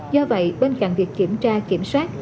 do vậy bên cạnh việc kiểm tra kiểm soát